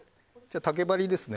竹針ですね。